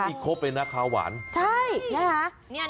อีกครบเลยนะคาวหวานใช่ใช่หรือเปล่า